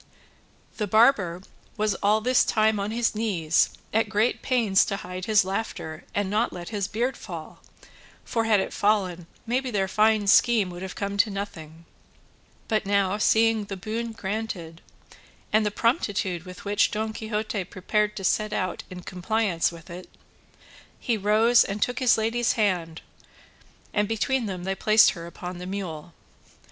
The barber was all this time on his knees at great pains to hide his laughter and not let his beard fall, for had it fallen maybe their fine scheme would have come to nothing; but now seeing the boon granted, and the promptitude with which Don Quixote prepared to set out in compliance with it, he rose and took his lady's hand, and between them they placed her upon the mule.